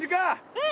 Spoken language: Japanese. うん。